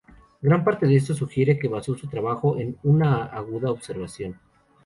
Gran parte de esto sugiere que basó su trabajo en una aguda observación.